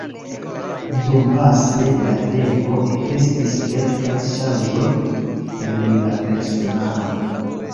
Dumpase de la tempo ekestis kelkaj ŝanĝoj en la personaro.